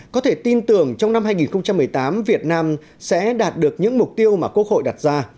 có thể tin tưởng trong năm hai nghìn một mươi tám việt nam sẽ đạt được những mục tiêu mà quốc hội đặt ra